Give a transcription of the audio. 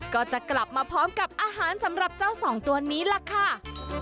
ก็จะกลับมาพร้อมกับอาหารสำหรับเจ้าสองตัวนี้ล่ะค่ะ